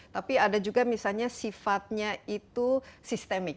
tapi ada juga misalnya sifatnya itu sistemik